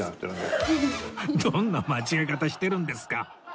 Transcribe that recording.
どんな間違え方してるんですか！